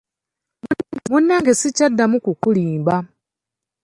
Munnange sikyaddamu kukulimba.